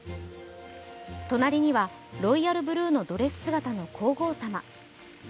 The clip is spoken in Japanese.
隣にはロイヤルブルーのドレス姿の皇后さま。